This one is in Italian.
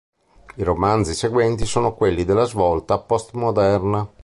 I romanzi seguenti sono quelli della svolta post-moderna.